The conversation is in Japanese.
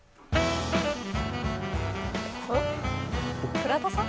倉田さん。